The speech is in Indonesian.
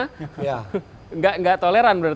tidak toleran berarti